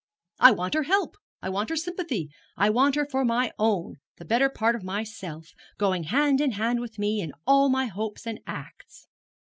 I want her help, I want her sympathy, I want her for my own the better part of myself going hand in hand with me in all my hopes and acts.'